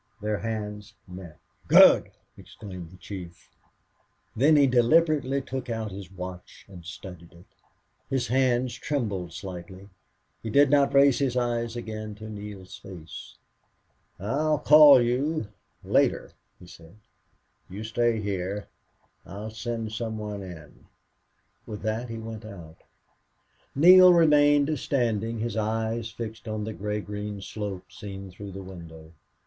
Their hands met. "Good!" exclaimed the chief. Then he deliberately took out his watch and studied it. His hand trembled slightly. He did not raise his eyes again to Neale's face. "I'll call you later," he said. "You stay here. I'll send some one in." With that he went out. Neale remained standing, his eyes fixed on the gray green slope, seen through the window.